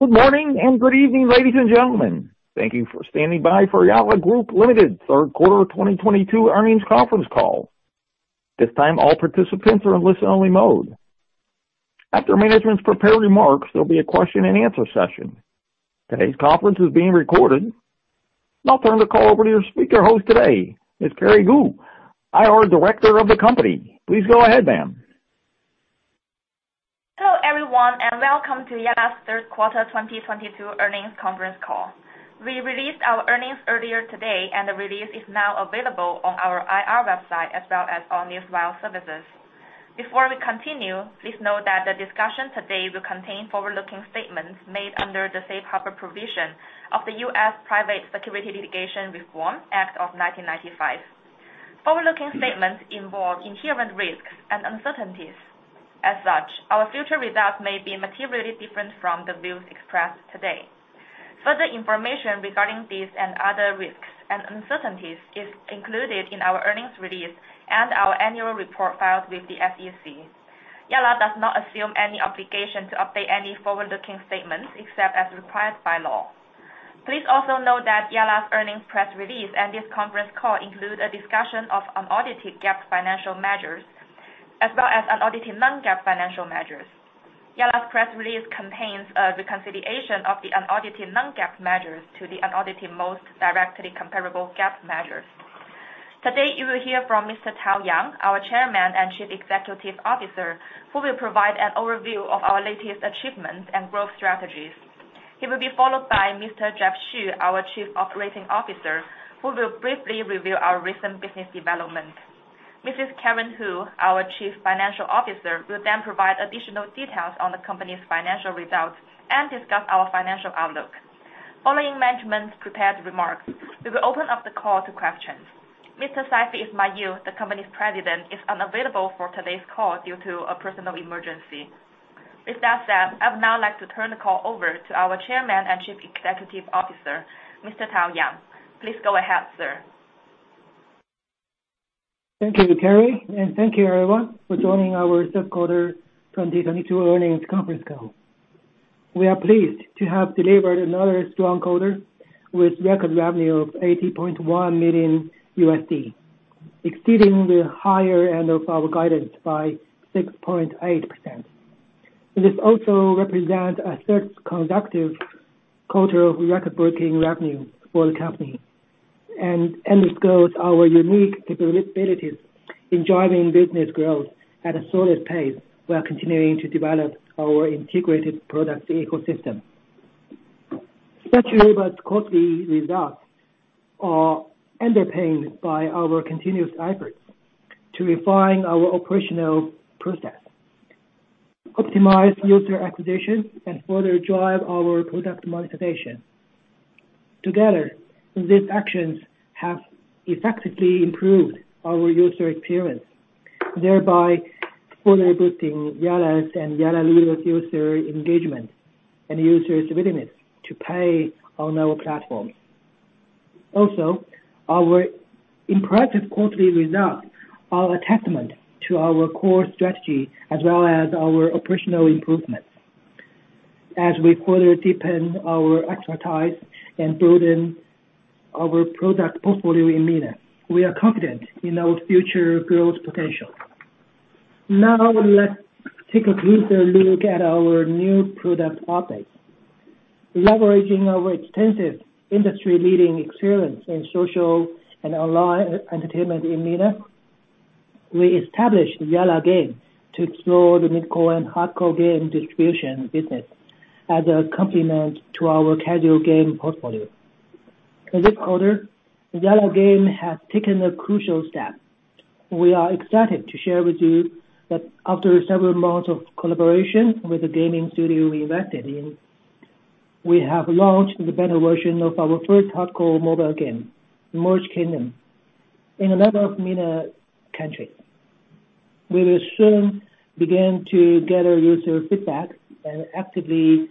Good morning and good evening, ladies and gentlemen. Thank you for standing by for Yalla Group Limited Q3 2022 earnings conference call. This time, all participants are in listen-only mode. After management's prepared remarks, there'll be a question-and-answer session. Today's conference is being recorded. I'll turn the call over to your speaker host today, Ms. Kerry Gao, IR Director of the company. Please go ahead, ma'am. Hello, everyone, and welcome to Yalla's Q3 2022 earnings conference call. We released our earnings earlier today, and the release is now available on our IR website as well as on newswire services. Before we continue, please note that the discussion today will contain forward-looking statements made under the Safe Harbor provision of the U.S. Private Securities Litigation Reform Act of 1995. Forward-looking statements involve inherent risks and uncertainties. As such, our future results may be materially different from the views expressed today. Further information regarding these and other risks and uncertainties is included in our earnings release and our annual report filed with the SEC. Yalla does not assume any obligation to update any forward-looking statements except as required by law. Please also note that Yalla's earnings press release and this conference call include a discussion of unaudited GAAP financial measures as well as unaudited non-GAAP financial measures. Yalla's press release contains a reconciliation of the unaudited non-GAAP measures to the unaudited most directly comparable GAAP measures. Today, you will hear from Mr. Tao Yang, our Chairman and Chief Executive Officer, who will provide an overview of our latest achievements and growth strategies. He will be followed by Mr. Jianfeng Xu, our Chief Operating Officer, who will briefly review our recent business development. Mrs. Yang Hu, our Chief Financial Officer, will then provide additional details on the company's financial results and discuss our financial outlook. Following management's prepared remarks, we will open up the call to questions. Mr. Saifi Ismail, the company's president, is unavailable for today's call due to a personal emergency. With that said, I'd now like to turn the call over to our Chairman and Chief Executive Officer, Mr. Tao Yang. Please go ahead, sir. Thank you, Carrie, and thank you, everyone, for joining our Q3 2022 earnings conference call. We are pleased to have delivered another strong quarter with record revenue of $80.1 million, exceeding the higher end of our guidance by 6.8%. This also represents a third consecutive quarter of record-breaking revenue for the company and underscores our unique capabilities in driving business growth at a solid pace while continuing to develop our integrated product ecosystem. Such robust quarterly results are underpinned by our continuous efforts to refine our operational process, optimize user acquisition, and further drive our product monetization. Together, these actions have effectively improved our user experience, thereby further boosting Yalla's and Yalla Live's user engagement and users' willingness to pay on our platforms. Also, our impressive quarterly results are a testament to our core strategy as well as our operational improvements. As we further deepen our expertise and broaden our product portfolio in MENA, we are confident in our future growth potential. Now let's take a closer look at our new product updates. Leveraging our extensive industry-leading experience in social and online entertainment in MENA, we established YallaGame to explore the mid-core and hardcore game distribution business as a complement to our casual game portfolio. This quarter, YallaGame has taken a crucial step. We are excited to share with you that after several months of collaboration with the gaming studio we invested in, we have launched the beta version of our first hardcore mobile game, Merged Kingdom, in a number of MENA countries. We will soon begin to gather user feedback and actively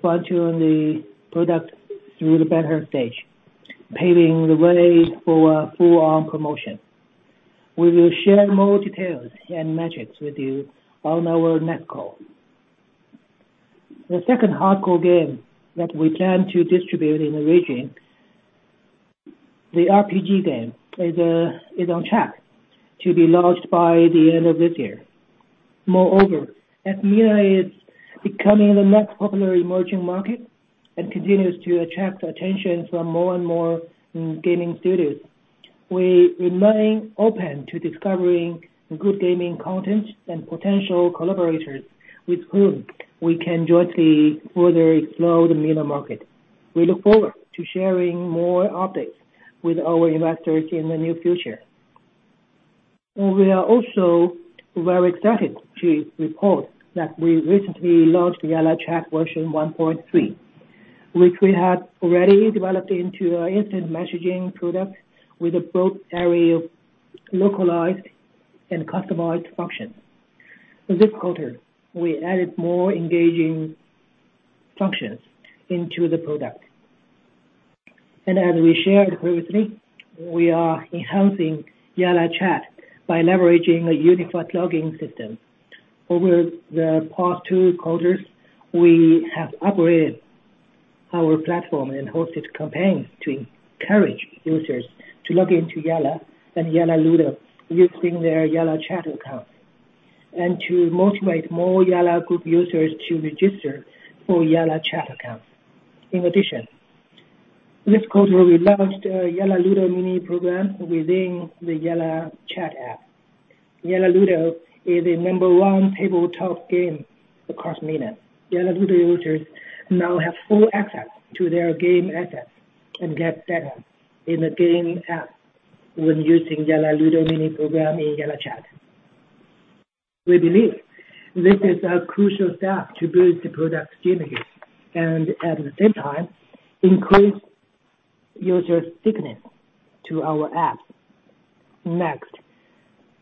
fine-tune the product through the beta stage, paving the way for a full-on promotion. We will share more details and metrics with you on our next call. The second hardcore game that we plan to distribute in the region, the RPG game, is on track to be launched by the end of this year. Moreover, as MENA is becoming the next popular emerging market and continues to attract attention from more and more gaming studios, we remain open to discovering good gaming content and potential collaborators with whom we can jointly further explore the MENA market. We look forward to sharing more updates with our investors in the near future. We are also very excited to report that we recently launched YallaChat version 1.3, which we have already developed into an instant messaging product with a broad area of localized and customized functions. This quarter, we added more engaging functions into the product. As we shared previously, we are enhancing Yalla Chat by leveraging a unified login system. Over the past two quarters, we have upgraded our platform and hosted campaigns to encourage users to log into Yalla and Yalla Ludo using their Yalla Chat account, and to motivate more Yalla Group users to register for Yalla Chat account. In addition, this quarter, we launched a Yalla Ludo mini program within the Yalla Chat app. Yalla Ludo is the number one tabletop game across MENA. Yalla Ludo users now have full access to their game assets and get better in the game app when using Yalla Ludo mini program in Yalla Chat. We believe this is a crucial step to boost the product gamification, and at the same time, increase user stickiness to our app. Next,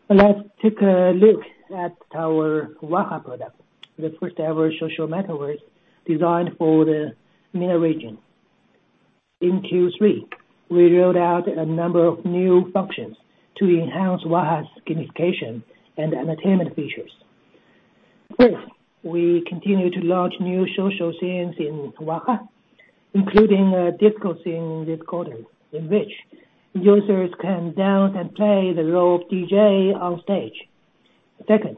let's take a look at our Waha product, the first-ever social metaverse designed for the MENA region. In Q3, we rolled out a number of new functions to enhance Waha's gamification and entertainment features. First, we continue to launch new social scenes in Waha, including a disco scene this quarter, in which users can dance and play the role of DJ on stage. Second,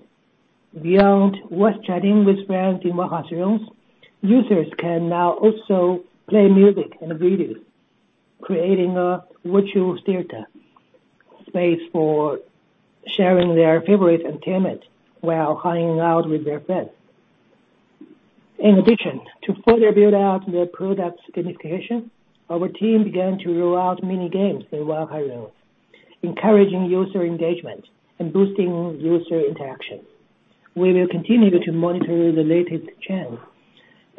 beyond voice chatting with friends in Waha rooms, users can now also play music and videos, creating a virtual theater space for sharing their favorite entertainment while hanging out with their friends. In addition, to further build out the product's gamification, our team began to roll out mini games in Waha rooms, encouraging user engagement and boosting user interaction. We will continue to monitor the latest trends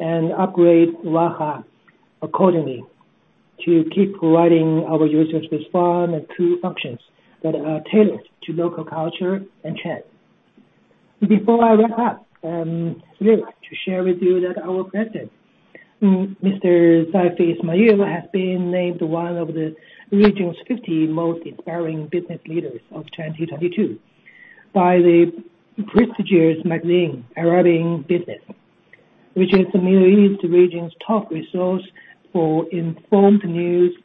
and upgrade Waha accordingly to keep providing our users with fun and cool functions that are tailored to local culture and trends. Before I wrap up, we would like to share with you that our president, Mr. Saifi Ismail, has been named one of the region's 50 most inspiring business leaders of 2022 by the prestigious magazine, Arabian Business, which is the Middle East region's top resource for informed news,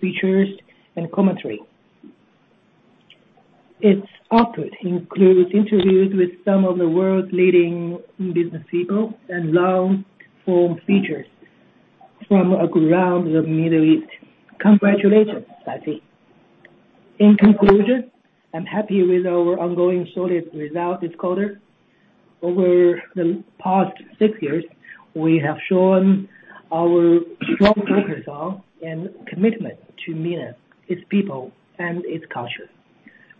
features, and commentary. Its output includes interviews with some of the world's leading business people and long-form features from around the Middle East. Congratulations, Saifi. In conclusion, I'm happy with our ongoing solid results this quarter. Over the past six years, we have shown our strong focus on and commitment to MENA, its people, and its culture.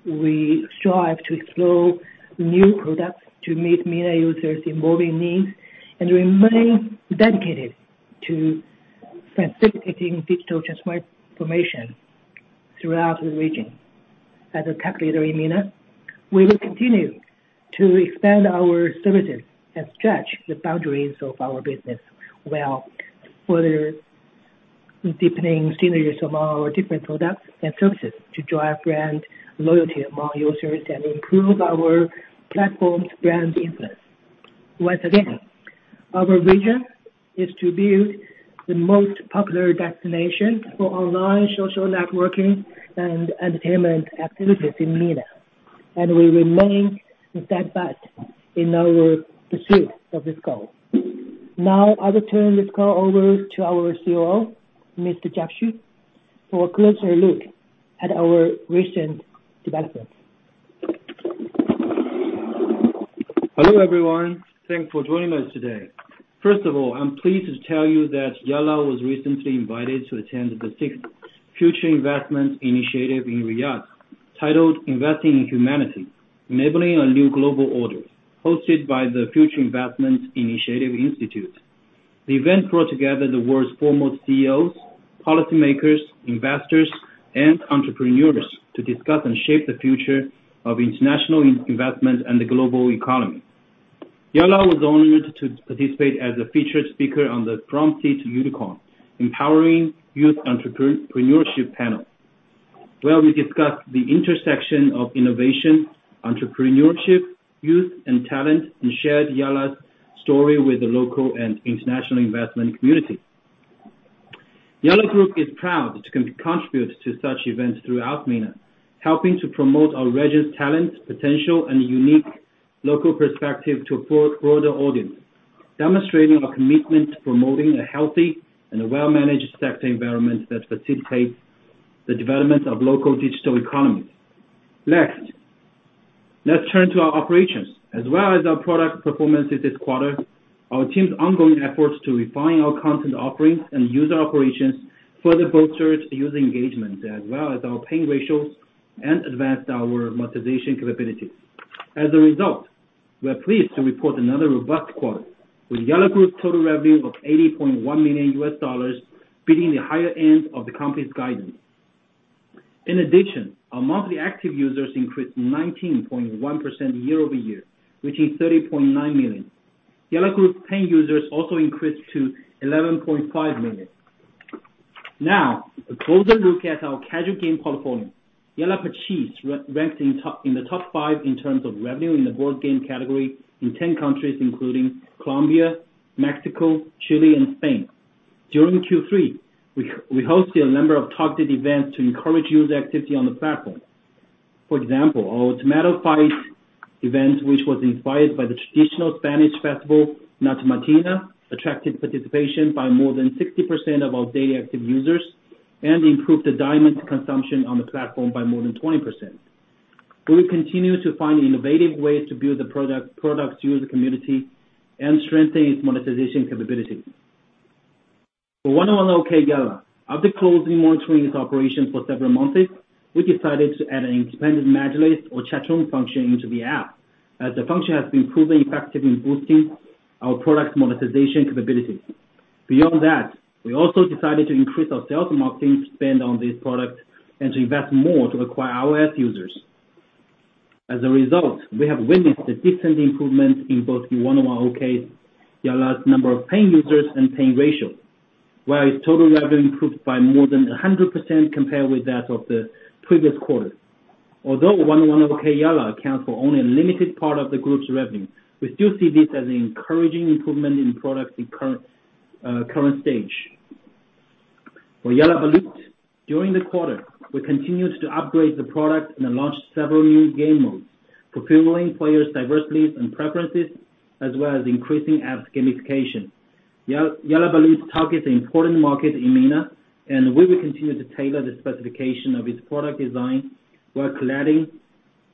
We strive to explore new products to meet MENA users' evolving needs and remain dedicated to facilitating digital transformation throughout the region. As a tech leader in MENA, we will continue to expand our services and stretch the boundaries of our business, while further deepening synergies among our different products and services to drive brand loyalty among users and improve our platform's brand influence. Once again, our vision is to build the most popular destination for online social networking and entertainment activities in MENA, and we remain steadfast in our pursuit of this goal. Now, I will turn this call over to our COO, Mr. Jianfeng Xu, for a closer look at our recent developments. Hello, everyone. Thanks for joining us today. First of all, I'm pleased to tell you that Yalla was recently invited to attend the sixth Future Investment Initiative in Riyadh, titled Investing in Humanity: Enabling a New Global Order, hosted by the Future Investment Initiative Institute. The event brought together the world's foremost CEOs, policymakers, investors, and entrepreneurs to discuss and shape the future of international investment and the global economy. Yalla was honored to participate as a featured speaker on the Front Seat Unicorn: Empowering Youth Entrepreneurship panel, where we discussed the intersection of innovation, entrepreneurship, youth, and talent, and shared Yalla's story with the local and international investment community. Yalla Group is proud to contribute to such events throughout MENA, helping to promote our region's talent, potential, and unique local perspective to a broader audience, demonstrating our commitment to promoting a healthy and a well-managed sector environment that facilitates the development of local digital economies. Next, let's turn to our operations. As well as our product performance this quarter, our team's ongoing efforts to refine our content offerings and user operations further bolsters user engagement, as well as our paying ratios and advanced our monetization capabilities. As a result, we are pleased to report another robust quarter, with Yalla Group's total revenue of $80.1 million beating the higher end of the company's guidance. In addition, our monthly active users increased 19.1% year-over-year, reaching 30.9 million. Yalla Group paying users also increased to 11.5 million. Now, a closer look at our casual game portfolio. Yalla achieved ranked in the top five in terms of revenue in the board game category in 10 countries including Colombia, Mexico, Chile, and Spain. During Q3, we hosted a number of targeted events to encourage user activity on the platform. For example, our Tomato Fight event, which was inspired by the traditional Spanish festival, La Tomatina, attracted participation by more than 60% of our daily active users and improved the diamond consumption on the platform by more than 20%. We will continue to find innovative ways to build the product user community and strengthen its monetization capabilities. For 111OK Yalla, after closely monitoring its operation for several months, we decided to add an independent module list or chatroom function into the app, as the function has been proven effective in boosting our product's monetization capabilities. Beyond that, we also decided to increase our sales and marketing spend on this product and to invest more to acquire iOS users. As a result, we have witnessed a decent improvement in both the 111OK Yalla's number of paying users and paying ratio, where its total revenue improved by more than 100% compared with that of the previous quarter. Although 111OK Yalla accounts for only a limited part of the group's revenue, we still see this as an encouraging improvement in product in current stage. For Yalla Baloot, during the quarter, we continued to upgrade the product and launched several new game modes, fulfilling players' diversities and preferences, as well as increasing app gamification. Yalla Baloot targets an important market in MENA, and we will continue to tailor the specification of its product design while collecting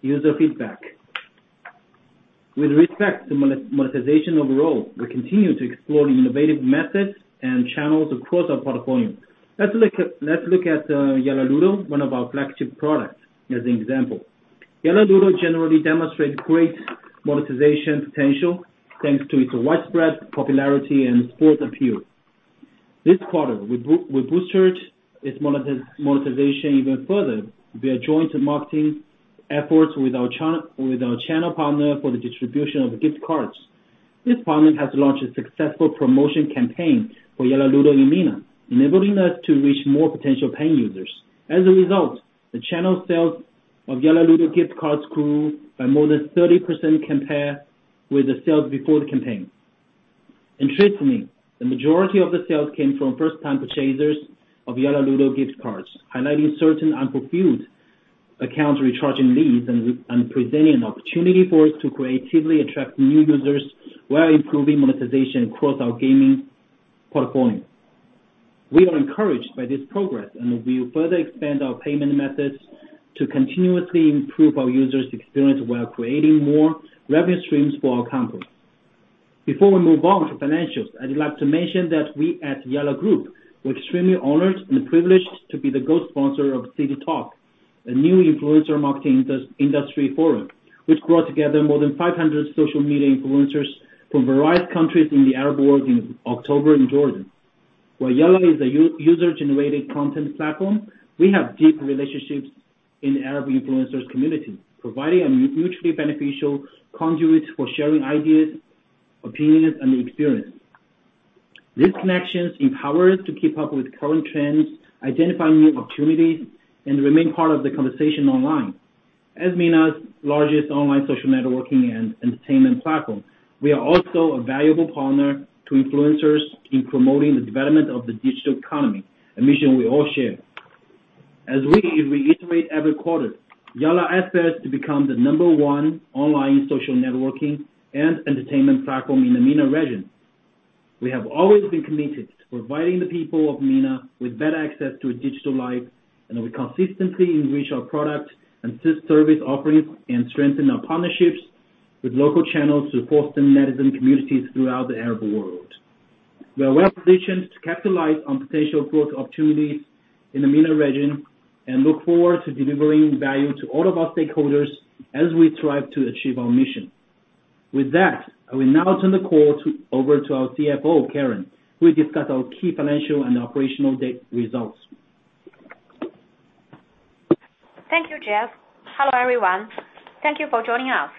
user feedback. With respect to monetization overall, we continue to explore innovative methods and channels across our portfolio. Let's look at Yalla Ludo, one of our flagship products, as an example. Yalla Ludo generally demonstrates great monetization potential, thanks to its widespread popularity and broad appeal. This quarter, we boosted its monetization even further via joint marketing efforts with our channel partner for the distribution of gift cards. This partner has launched a successful promotion campaign for Yalla Ludo in MENA, enabling us to reach more potential paying users. As a result, the channel sales of Yalla Ludo gift cards grew by more than 30% compared with the sales before the campaign. Interestingly, the majority of the sales came from first-time purchasers of Yalla Ludo gift cards, highlighting certain unfulfilled account recharging needs and representing an opportunity for us to creatively attract new users while improving monetization across our gaming portfolio. We are encouraged by this progress, and we will further expand our payment methods to continuously improve our users' experience while creating more revenue streams for our company. Before we move on to financials, I'd like to mention that we at Yalla Group, we're extremely honored and privileged to be the gold sponsor of City Talk, a new influencer marketing industry forum, which brought together more than 500 social media influencers from various countries in the Arab world in October in Jordan. While Yalla is a user-generated content platform, we have deep relationships in the Arab influencers community, providing a mutually beneficial conduit for sharing ideas, opinions, and experience. These connections empower us to keep up with current trends, identify new opportunities, and remain part of the conversation online. As MENA's largest online social networking and entertainment platform, we are also a valuable partner to influencers in promoting the development of the digital economy, a mission we all share. As we reiterate every quarter, Yalla aspires to become the number one online social networking and entertainment platform in the MENA region. We have always been committed to providing the people of MENA with better access to a digital life, and we consistently enrich our product and service offerings and strengthen our partnerships with local channels to foster MENA communities throughout the Arab world. We are well-positioned to capitalize on potential growth opportunities in the MENA region and look forward to delivering value to all of our stakeholders as we strive to achieve our mission. With that, I will now turn the call over to our CFO, Karen, who will discuss our key financial and operational data results. Thank you, Jeff. Hello, everyone. Thank you for joining us.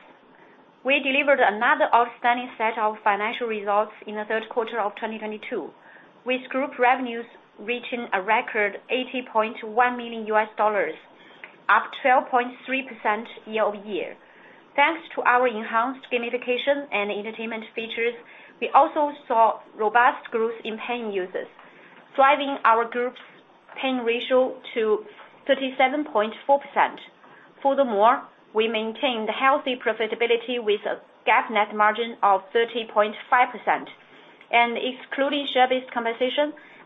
We delivered another outstanding set of financial results in the Q3 of 2022, with group revenues reaching a record $80.1 million, up 12.3% year-over-year. Thanks to our enhanced gamification and entertainment features, we also saw robust growth in paying users, driving our group's paying ratio to 37.4%. Furthermore, we maintained healthy profitability with a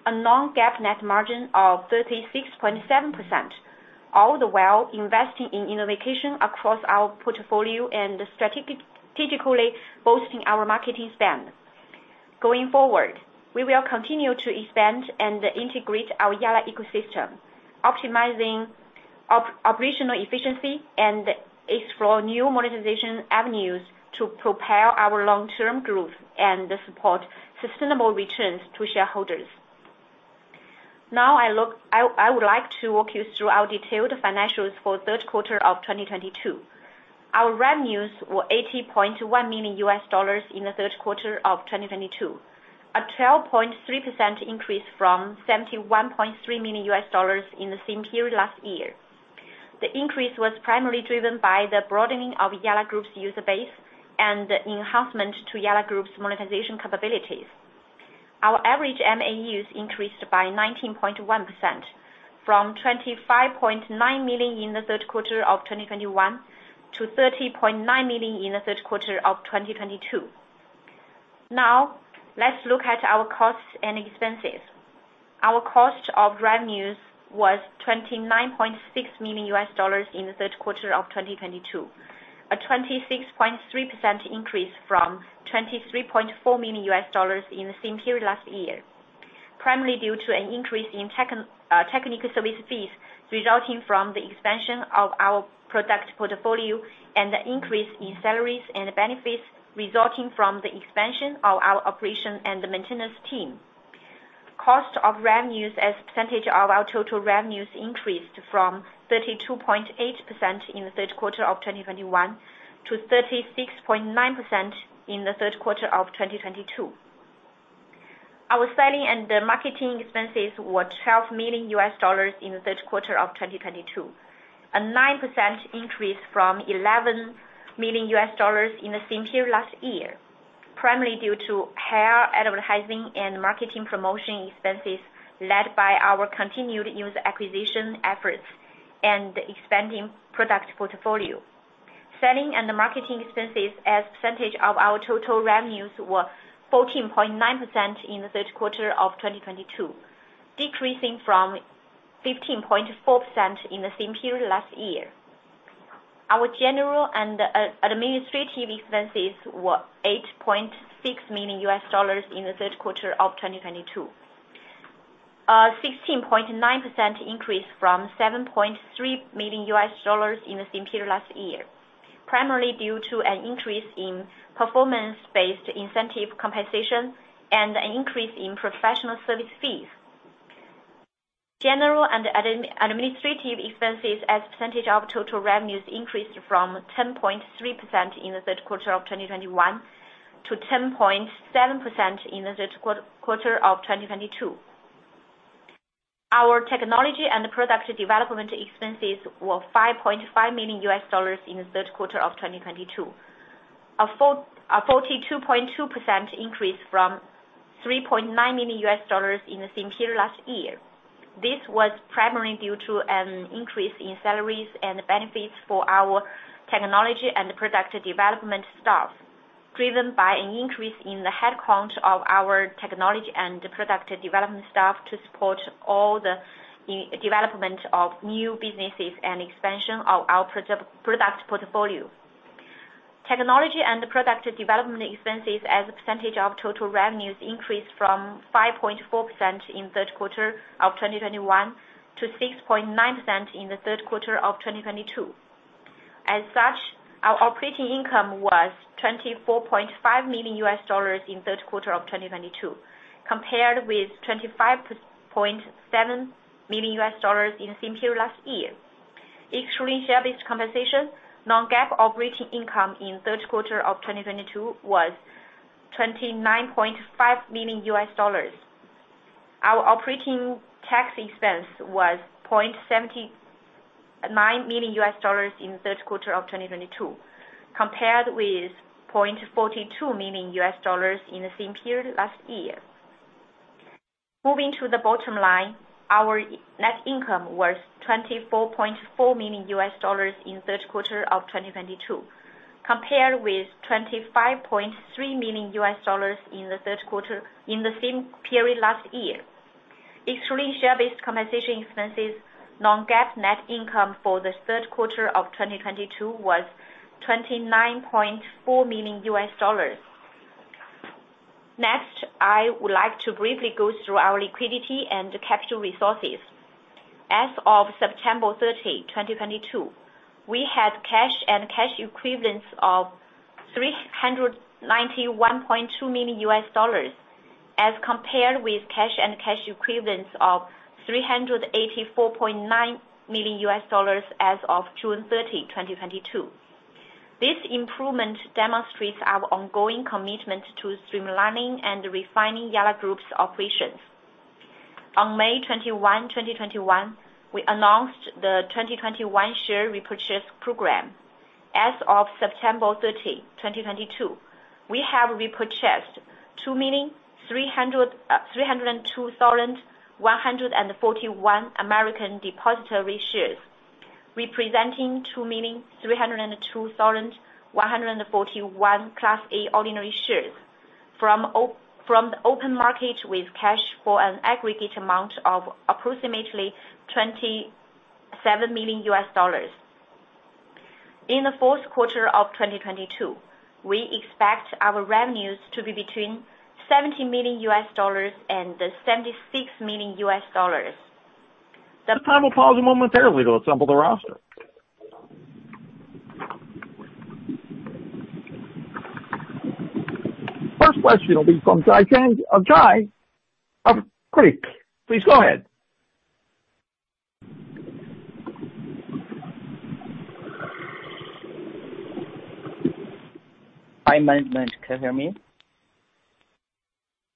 GAAP net margin of 30.5%, and excluding share-based compensation, a non-GAAP net margin of 36.7%, all the while investing in innovation across our portfolio and strategically boosting our marketing spend. Going forward, we will continue to expand and integrate our Yalla ecosystem, optimizing operational efficiency and explore new monetization avenues to propel our long-term growth and support sustainable returns to shareholders. I would like to walk you through our detailed financials for Q3 of 2022. Our revenues were $80.1 million in the Q3 of 2022, a 12.3% increase from $71.3 million in the same period last year. The increase was primarily driven by the broadening of Yalla Group's user base and enhancement to Yalla Group's monetization capabilities. Our average MAUs increased by 19.1% from 25.9 million in the Q3 of 2021 to 30.9 million in the Q3 of 2022. Now let's look at our costs and expenses. Our cost of revenues was $29.6 million in the Q3 of 2022. A 26.3% increase from $23.4 million in the same period last year, primarily due to an increase in technical service fees resulting from the expansion of our product portfolio and the increase in salaries and benefits resulting from the expansion of our operation and the maintenance team. Cost of revenues as a percentage of our total revenues increased from 32.8% in the Q3 of 2021 to 36.9% in the Q3 of 2022. Our selling and marketing expenses were $12 million in the Q3 of 2022, a 9% increase from $11 million in the same period last year, primarily due to higher advertising and marketing promotion expenses led by our continued user acquisition efforts and expanding product portfolio. Selling and marketing expenses as a percentage of our total revenues were 14.9% in the Q3 of 2022, decreasing from 15.4% in the same period last year. Our general and administrative expenses were $8.6 million in the Q3 of 2022, 16.9% increase from $7.3 million in the same period last year, primarily due to an increase in performance-based incentive compensation and an increase in professional service fees. General and administrative expenses as a percentage of total revenues increased from 10.3% in the Q3 of 2021 to 10.7% in the Q3 of 2022. Our technology and product development expenses were $5.5 million in the Q3 of 2022. A 42.2% increase from $3.9 million in the same period last year. This was primarily due to an increase in salaries and benefits for our technology and product development staff, driven by an increase in the headcount of our technology and product development staff to support all the development of new businesses and expansion of our product portfolio. Technology and product development expenses as a percentage of total revenues increased from 5.4% in Q3 of 2021 to 6.9% in the Q3 of 2022. Our operating income was $24.5 million inQ3 of 2022, compared with $25.7 million in the same period last year. Excluding share-based compensation, non-GAAP operating income in Q3 of 2022 was $29.5 million. Our operating tax expense was $0.79 million in the Q3 of 2022, compared with $0.42 million in the same period last year. Moving to the bottom line, our net income was $24.4 million in the Q3 of 2022, compared with $25.3 million in the same period last year. Excluding share-based compensation expenses, non-GAAP net income for the Q3 of 2022 was $29.4 million. Next, I would like to briefly go through our liquidity and capital resources. As of 30 September 2022, we had cash and cash equivalents of $391.2 million as compared with cash and cash equivalents of $384.9 million as of 30 June 2022. This improvement demonstrates our ongoing commitment to streamlining and refining Yalla Group's operations. On 21 May 2021, we announced the 2021 share repurchase program. As of 30 September 2022, we have repurchased 2,302,141 American depositary shares, representing 2,302,141 Class A ordinary shares from the open market with cash for an aggregate amount of approximately $27 million. In the Q4 of 2022, we expect our revenues to be between $70 million and $76 million. At this time, we'll pause momentarily to assemble the roster. First question will be from Xueqing Zhang of CICC. Please go ahead. Hi, management. Can you hear me?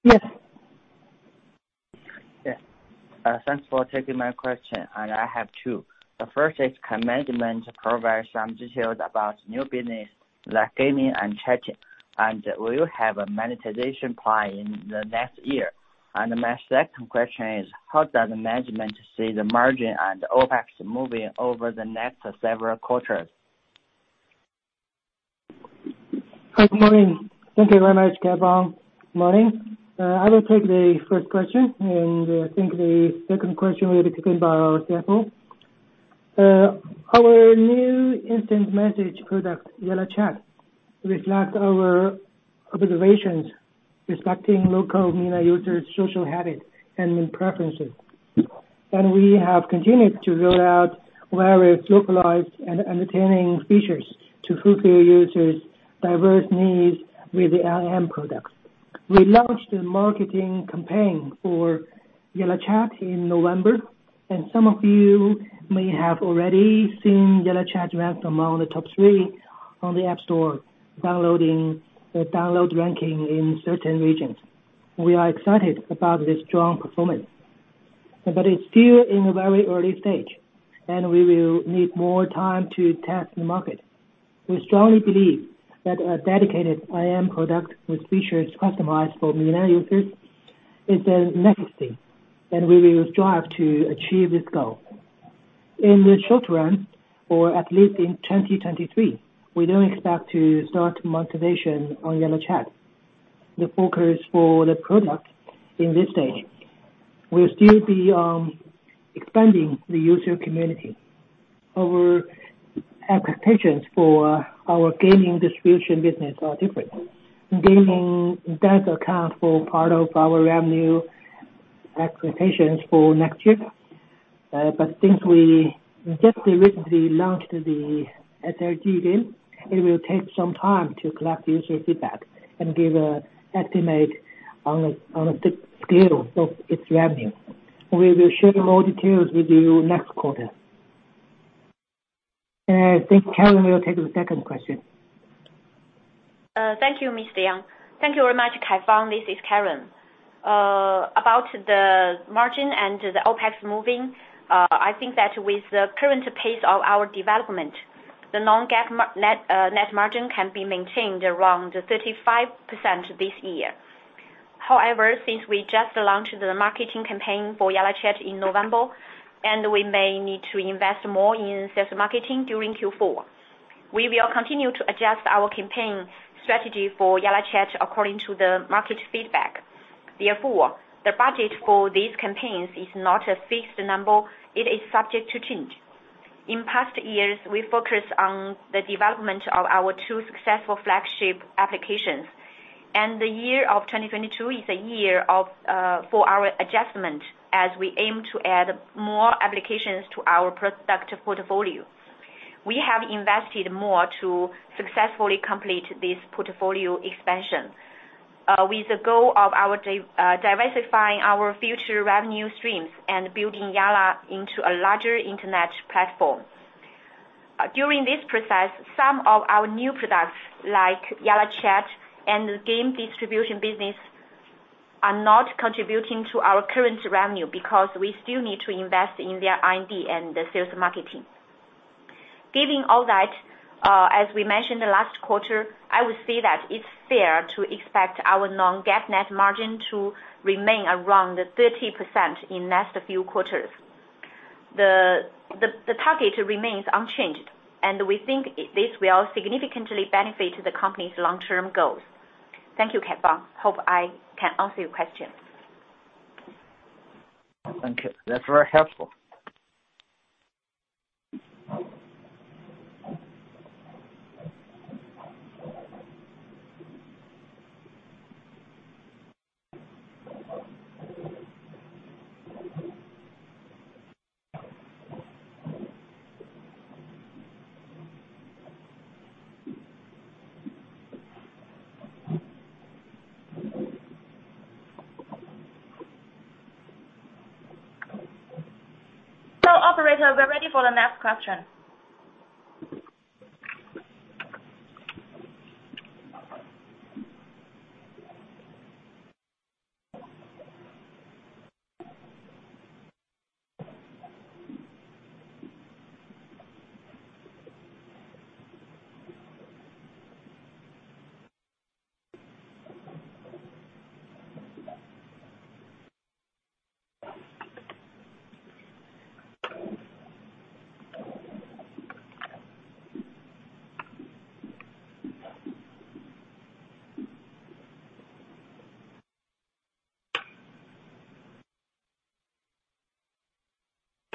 Yes. Yes. Thanks for taking my question, and I have two. The first is, can management provide some details about new business, like gaming and chatting, and will you have a monetization plan in the next year? My second question is, how does management see the margin and OPEX moving over the next several quarters? Hi. Good morning. Thank you very much, Xueqing. Morning. I will take the first question, and I think the second question will be taken by our CFO. Our new instant message product, Yalla Chat, reflects our observations reflecting local MENA users' social habits and main preferences. We have continued to roll out various localized and entertaining features to fulfill users' diverse needs with the IM products. We launched a marketing campaign for Yalla Chat in November, and some of you may have already seen Yalla Chat ranked among the top three on the App Store download ranking in certain regions. We are excited about this strong performance. It's still in a very early stage, and we will need more time to test the market. We strongly believe that a dedicated IM product with features customized for MENA users is the next thing, and we will strive to achieve this goal. In the short run, or at least in 2023, we don't expect to start monetization on YallaChat. The focus for the product in this stage will still be expanding the user community. Our expectations for our gaming distribution business are different. Gaming does account for part of our revenue expectations for next year. But since we just recently launched the SLG game, it will take some time to collect user feedback and give an estimate on a scale of its revenue. We will share more details with you next quarter. I think Karen will take the second question. Thank you, Mr. Yang. Thank you very much, Xueqing. This is Karen. About the margin and the OPEX moving, I think that with the current pace of our development, the non-GAAP net margin can be maintained around 35% this year. However, since we just launched the marketing campaign for YallaChat in November, and we may need to invest more in sales marketing during Q4, we will continue to adjust our campaign strategy for YallaChat according to the market feedback. Therefore, the budget for these campaigns is not a fixed number, it is subject to change. In past years, we focused on the development of our two successful flagship applications. The year of 2022 is a year for our adjustment as we aim to add more applications to our product portfolio. We have invested more to successfully complete this portfolio expansion, with the goal of our diversifying our future revenue streams and building Yalla into a larger internet platform. During this process, some of our new products, like YallaChat and the game distribution business, are not contributing to our current revenue because we still need to invest in their R&D and sales and marketing. Given all that, as we mentioned the last quarter, I would say that it's fair to expect our non-GAAP net margin to remain around 30% in next few quarters. The target remains unchanged, and we think this will significantly benefit the company's long-term goals. Thank you, Xueqing. Hope I can answer your question. Thank you. That's very helpful. Operator, we're ready for the next question.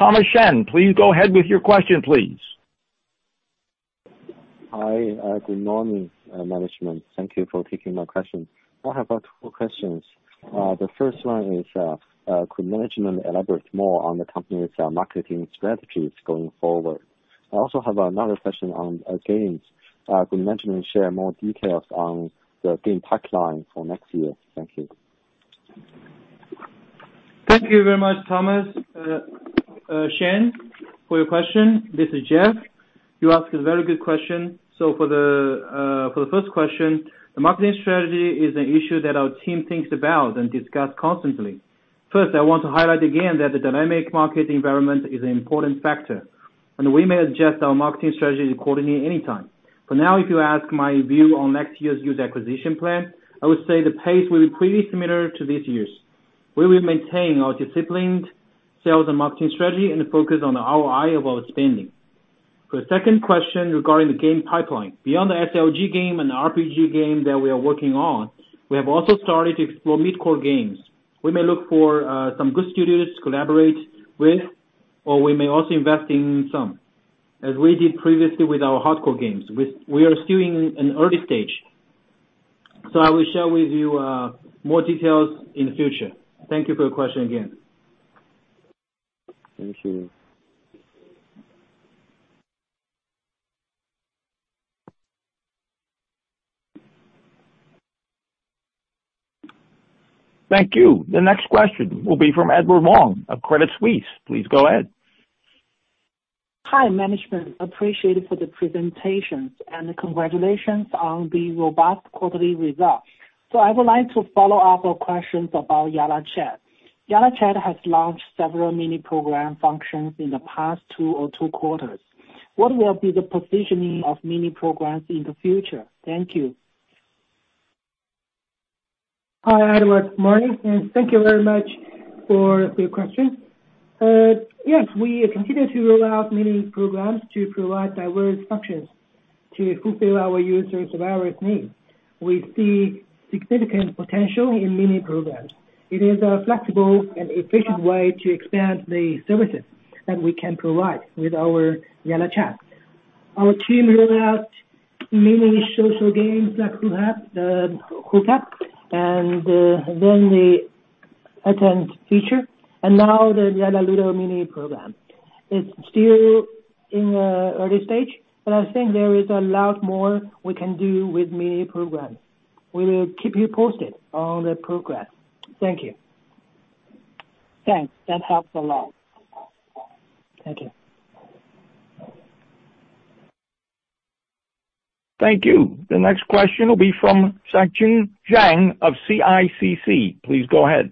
Thomas Shen, please go ahead with your question, please. Hi. Good morning, management. Thank you for taking my question. I have two questions. The first one is, could management elaborate more on the company's marketing strategies going forward? I also have another question on games. Could management share more details on the game pipeline for next year? Thank you. Thank you very much, Thomas Shen, for your question. This is Jeff. You asked a very good question. For the first question, the marketing strategy is an issue that our team thinks about and discuss constantly. First, I want to highlight again that the dynamic market environment is an important factor, and we may adjust our marketing strategy accordingly anytime. For now, if you ask my view on next year's user acquisition plan, I would say the pace will be pretty similar to this year's. We will maintain our disciplined sales and marketing strategy and focus on the ROI of our spending. For the second question regarding the game pipeline. Beyond the SLG game and the RPG game that we are working on, we have also started to explore mid-core games. We may look for some good studios to collaborate with, or we may also invest in some, as we did previously with our hardcore games. We are still in an early stage, so I will share with you more details in the future. Thank you for your question again. Thank you. Thank you. The next question will be from Edward Wong of Credit Suisse. Please go ahead. Hi, management. Appreciate it for the presentations, and congratulations on the robust quarterly results. I would like to follow up with questions about YallaChat. YallaChat has launched several mini-program functions in the past two or two quarters. What will be the positioning of mini-programs in the future? Thank you. Hi, Edward. Morning, and thank you very much for your question. Yes, we continue to roll out mini-programs to provide diverse functions to fulfill our users' various needs. We see significant potential in mini-programs. It is a flexible and efficient way to expand the services that we can provide with our YallaChat. Our team rolled out mini social games like Hoop Hang, and then the attend feature, and now the Yalla Ludo mini-program. It's still in early stage, but I think there is a lot more we can do with mini programs. We will keep you posted on the progress. Thank you. Thanks. That helps a lot. Thank you. Thank you. The next question will be from Xueqing Zhang of CICC. Please go ahead.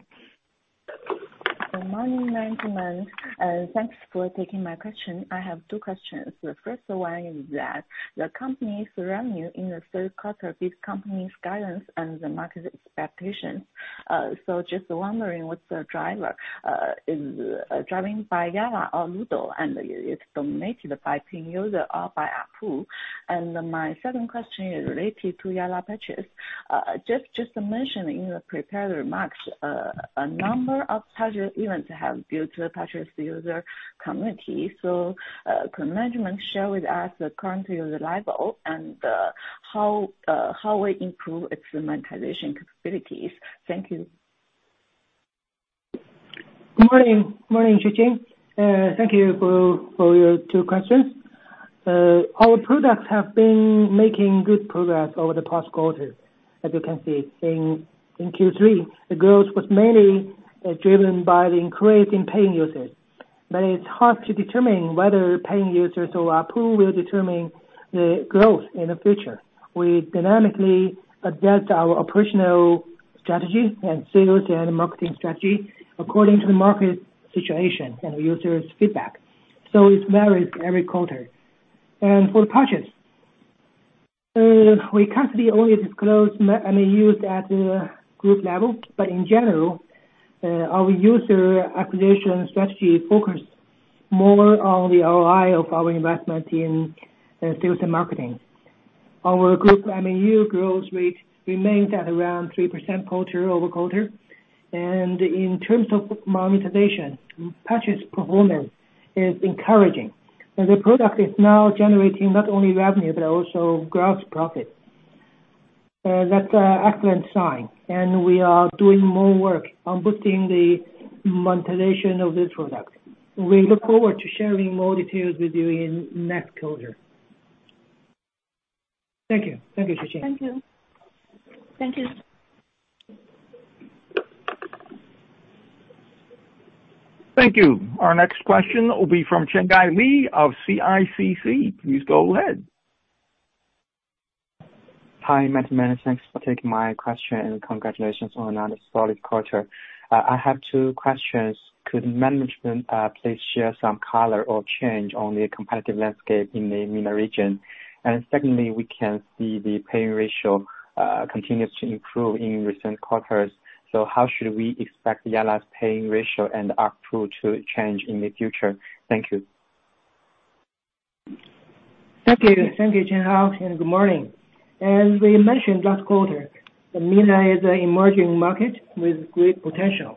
Good morning, management, and thanks for taking my question. I have two questions. The first one is that the company's revenue in the Q3 beat company's guidance and the market expectations. Just wondering what's the driver. Is driven by Yalla or Noodle, and it's dominated by paying user or by ARPU? My second question is related to Yalla Parchis. Just mentioning in your prepared remarks, a number of Parchis events have built a Parchis user community. Could management share with us the current user level and how we improve its monetization capabilities? Thank you. Good morning. Good morning, Xueqing. Thank you for your two questions. Our products have been making good progress over the past quarter, as you can see. In Q3, the growth was mainly driven by the increase in paying users. It's hard to determine whether paying users or ARPU will determine the growth in the future. We dynamically adjust our operational strategy and sales and marketing strategy according to the market situation and user's feedback. It varies every quarter. For the purchase, we currently only disclose MAU at group level. In general, our user acquisition strategy focus more on the ROI of our investment in sales and marketing. Our group MAU growth rate remains at around 3% quarter-over-quarter. In terms of monetization, purchase performance is encouraging. The product is now generating not only revenue but also gross profit. That's an excellent sign, and we are doing more work on boosting the monetization of this product. We look forward to sharing more details with you in next quarter. Thank you. Thank you, Xueqing. Thank you. Thank you. Thank you. Our next question will be from Chenghao Li of CICC. Please go ahead. Hi, management. Thanks for taking my question, and congratulations on another solid quarter. I have two questions. Could management please share some color on the change in the competitive landscape in the MENA region? Secondly, we can see the paying ratio continues to improve in recent quarters. How should we expect Yalla's paying ratio and ARPU to change in the future? Thank you. Thank you. Thank you, Chenghao, and good morning. As we mentioned last quarter, the MENA is an emerging market with great potential.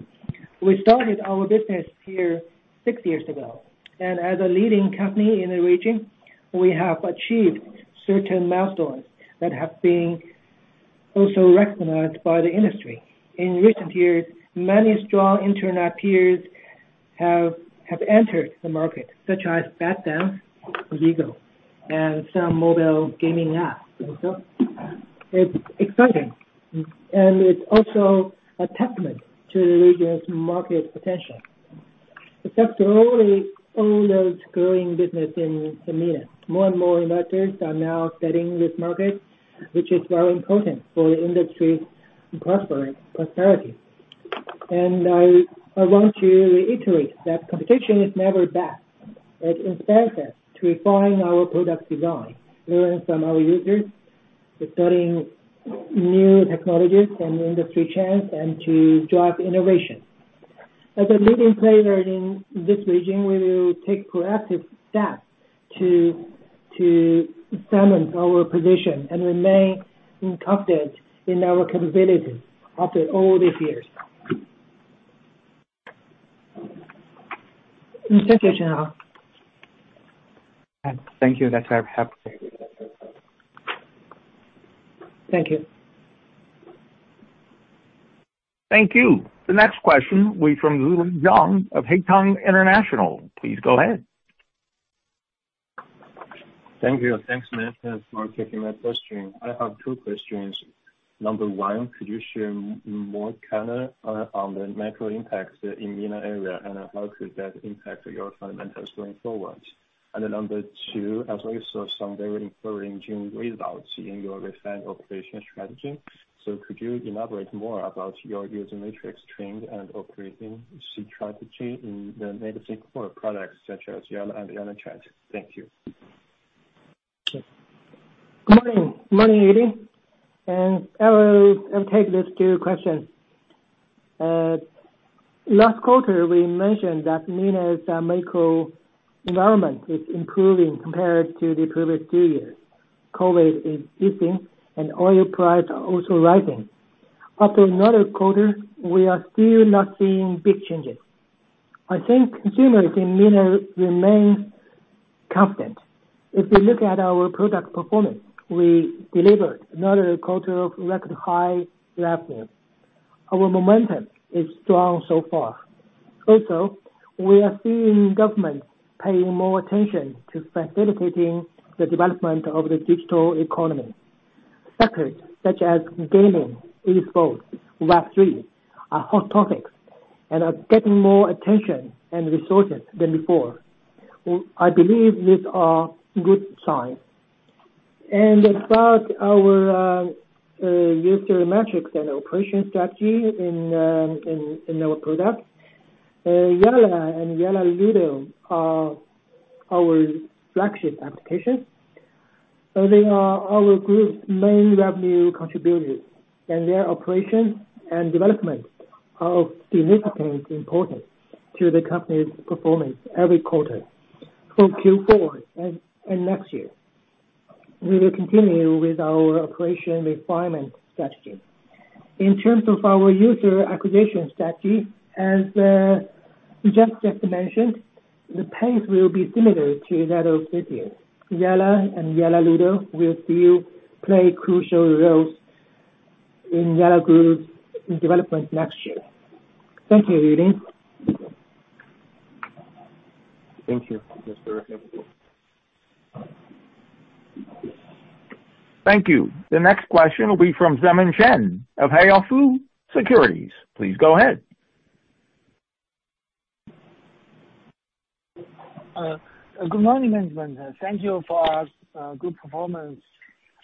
We started our business here six years ago, and as a leading company in the region, we have achieved certain milestones that have also been recognized by the industry. In recent years, many strong internet peers have entered the market such as ByteDance, Bigo and some mobile gaming apps. It's exciting, and it's also a testament to the region's market potential. In addition to all those growing businesses in MENA, more and more investors are now eyeing this market, which is very important for the industry's prosperity. I want to reiterate that competition is never bad. It inspires us to refine our product design, learn from our users, studying new technologies and industry trends, and to drive innovation. As a leading player in this region, we will take proactive steps to cement our position and remain confident in our capabilities after all these years. Thank you, Chenghao Li. Thank you. That's very helpful. Thank you. Thank you. The next question will be from Yulin Zhong of Haitong International. Please go ahead. Thank you. Thanks, Ma, for taking my question. I have two questions. Number one, could you share more color on the macro impacts in MENA area, and how could that impact your fundamentals going forward? Number two, as we saw some very encouraging results in your refined operational strategy, so could you elaborate more about your user metrics trend and operating strategy in the main core products such as Yalla and YallaChat? Thank you. Good morning. Good morning, Edward. I will take these two questions. Last quarter, we mentioned that MENA's macro environment is improving compared to the previous two years. COVID is easing and oil price are also rising. After another quarter, we are still not seeing big changes. I think consumers in MENA remain confident. If you look at our product performance, we delivered another quarter of record high revenue. Our momentum is strong so far. Also, we are seeing government paying more attention to facilitating the development of the digital economy. Sectors such as gaming, esports, Web3 are hot topics and are getting more attention and resources than before. I believe these are good signs. About our user metrics and operation strategy in our products, Yalla and Yalla Ludo are our flagship applications, and they are our group's main revenue contributors, and their operations and development are of significant importance to the company's performance every quarter. For Q4 and next year, we will continue with our operation refinement strategy. In terms of our user acquisition strategy, as Jeff just mentioned, the pace will be similar to that of this year. Yalla and Yalla Ludo will still play crucial roles in Yalla Group's development next year. Thank you, Eddie. Thank you. That's very helpful. Thank you. The next question will be from Zemin Chen of Huafu Securities. Please go ahead. Good morning, management. Thank you for good performance.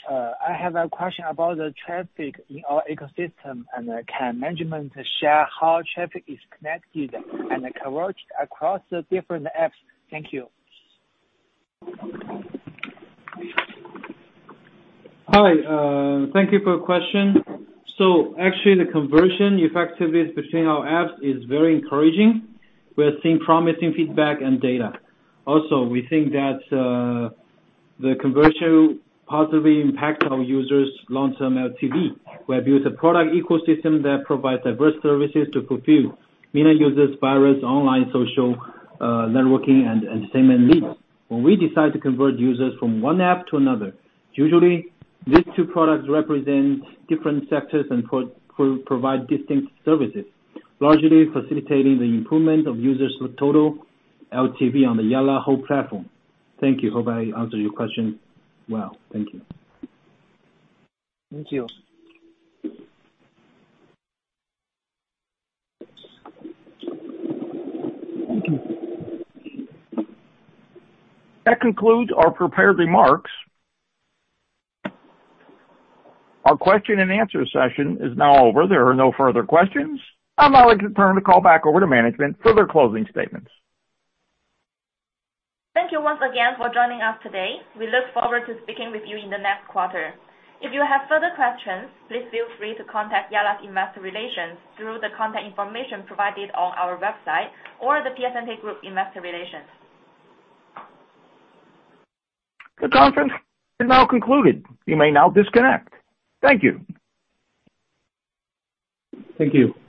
I have a question about the traffic in our ecosystem, and can management share how traffic is connected and converged across the different apps? Thank you. Hi. Thank you for your question. Actually, the conversion effectiveness between our apps is very encouraging. We are seeing promising feedback and data. Also, we think that the conversion positively impact our users long-term LTV. We have built a product ecosystem that provides diverse services to fulfill MENA users various online social networking and entertainment needs. When we decide to convert users from one app to another, usually these two products represent different sectors and provide distinct services, largely facilitating the improvement of users with total LTV on the Yalla whole platform. Thank you. Hope I answered your question well. Thank you. Thank you. Thank you. That concludes our prepared remarks. Our question-and-answer session is now over. There are no further questions. I'd now like to turn the call back over to management for their closing statements. Thank you once again for joining us today. We look forward to speaking with you in the next quarter. If you have further questions, please feel free to contact Yalla's investor relations through the contact information provided on our website or the PSNT Group Investor Relations. The conference is now concluded. You may now disconnect. Thank you. Thank you. Thank you.